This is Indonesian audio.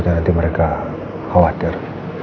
aku gak mau mereka khawatir